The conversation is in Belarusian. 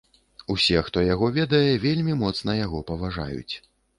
Усе, хто яго ведае, вельмі моцна яго паважаюць.